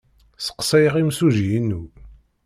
Sseqsayeɣ imsujji-inu.